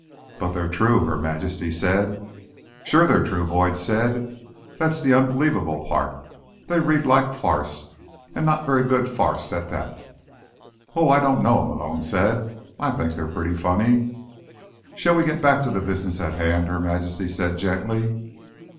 "But they're true," Her Majesty said. "Sure they're true," Boyd said. "That's the unbelievable part. They read like farce, and not very good farce at that." "Oh, I don't know," Malone said. "I think they're pretty funny." "Shall we get back to the business at hand?" Her Majesty said gently.